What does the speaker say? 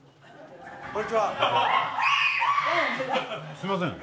すみません。